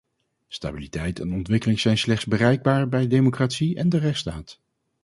Stabiliteit en ontwikkeling zijn slechts bereikbaar bij democratie en de rechtsstaat.